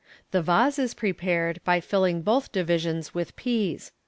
The vase is prepared by filling both divisions with peas.